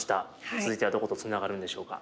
続いてはどことつながるんでしょうか。